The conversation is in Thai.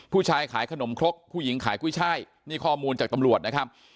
ขายขนมครกผู้หญิงขายกุ้ยช่ายนี่ข้อมูลจากตำรวจนะครับ